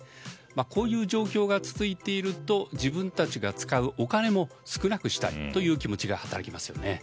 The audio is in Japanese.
こういう状況が続いていると自分たちが使うお金も少なくしたいという気持ちが働きますよね。